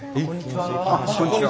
あっこんにちは。